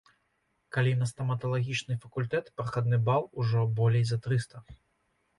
Калі на стаматалагічны факультэт прахадны бал ужо болей за трыста.